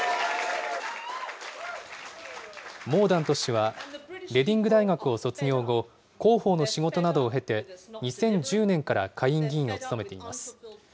モーダント氏は、レディング大学を卒業後、広報の仕事などを経て、２０１０年から下院議員を務めています。